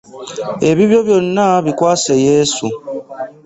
Ebibyo byonna bikwase Yesu.